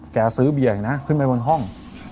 แกซื้อเบียร์อย่างนั้นขึ้นไปบนห้อง